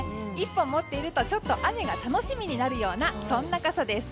１本持っているとちょっと雨が楽しみになるようなそんな傘です。